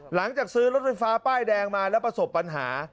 หลังจากซื้อรถไฟฟ้าป้ายแดงมาแล้วประสบปัญหา